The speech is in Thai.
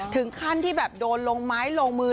ถึงขั้นที่แบบโดนลงไม้ลงมือ